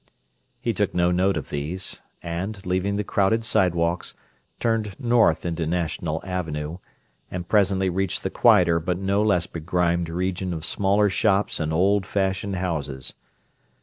He took no note of these, and, leaving the crowded sidewalks, turned north into National Avenue, and presently reached the quieter but no less begrimed region of smaller shops and old fashioned houses.